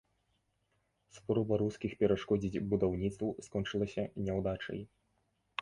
Спроба рускіх перашкодзіць будаўніцтву скончылася няўдачай.